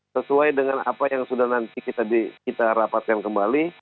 sesuai dengan apa yang sudah nanti kita rapatkan kembali